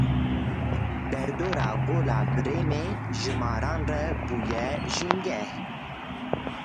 Derdora Gola Brêmê ji maran re bûye jîngeh.